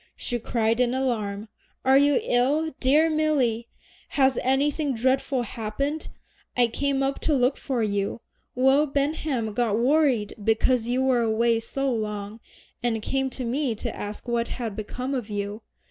she cried in alarm. "Are you ill, dear Milly? has anything dreadful happened? I came up to look for you. Will Benham got worried because you were away so long, and came to me to ask what had become of you.